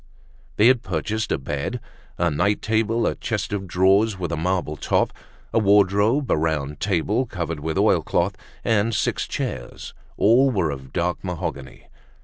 They had purchased a bed, a night table, a chest of drawers with a marble top, a wardrobe, a round table covered with oilcloth, and six chairs. All were of dark mahogany.